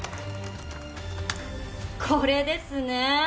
これですね。